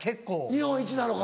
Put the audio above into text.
日本一なのか。